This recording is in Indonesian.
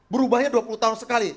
berubahnya dua puluh tahun sekali